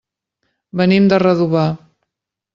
Venim de Redovà.